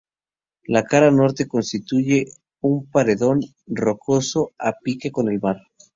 La cara norte constituye un paredón rocoso a pique con el mar.